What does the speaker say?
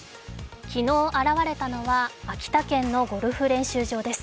昨日現れたのは秋田県のゴルフ練習場です。